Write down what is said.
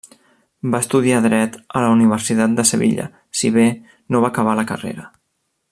Va estudiar dret a la Universitat de Sevilla, si bé no va acabar la carrera.